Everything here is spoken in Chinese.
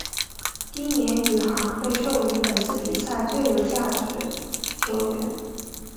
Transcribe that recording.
丁彦雨航被授予本次比赛最有价值球员。